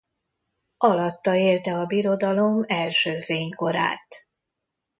Alatta élte a birodalom első fénykorát.